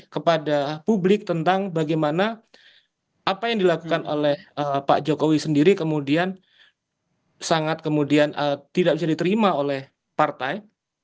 kepada publik tentang bagaimana apa yang dilakukan oleh pak jokowi sendiri kemudian sangat kemudian tidak bisa diterima oleh partai